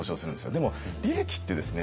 でも利益ってですね